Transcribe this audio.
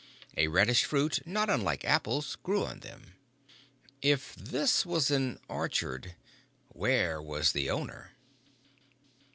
A reddish fruit, not unlike apples, grew on them. If this was an orchard, where was the owner?